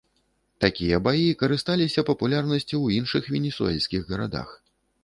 Такія баі карысталіся папулярнасцю ў іншых венесуэльскіх гарадах.